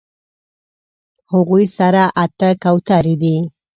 هغوی سره اتۀ کوترې دي